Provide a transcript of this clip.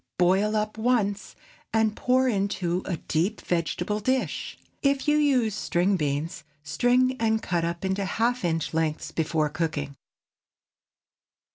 Boil up once, and pour into a deep vegetable dish. If you use string beans, string and cut up into half inch lengths before cooking.